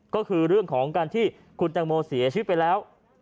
ก็คือเรื่องของการที่คุณแตงโมเสียชีวิตไปแล้ว